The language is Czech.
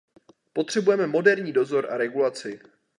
Potřebujeme moderní dozor a regulaci.